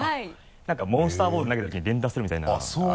何かモンスターボール投げた時に連打するみたいな。